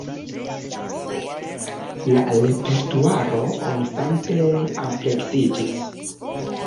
La repertuaro konstante ampleksiĝis.